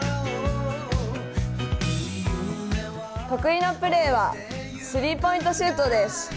得意のプレーはスリーポイントシュートです。